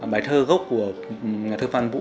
bài thơ gốc của nhà thơ phan vũ